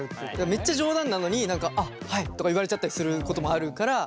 めっちゃ冗談なのに「あっはい」とか言われちゃったりすることもあるから。